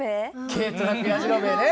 軽トラックやじろべえね。